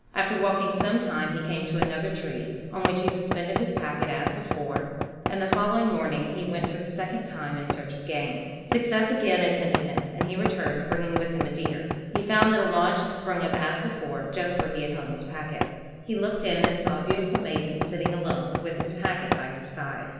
After walking some time he came to another tree, on which he suspended his packet, as before, and the following morning went for the second time in search of game. Success again attended him, and he returned, bringing with him a deer. He found that a lodge had sprung up as before, just where he had hung his packet. He looked in and saw a beautiful maiden sitting alone, with his packet by her side.